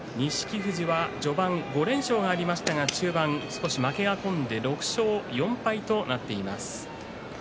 富士は序盤５連勝がありましたが、中盤負けが込んで６勝４敗です。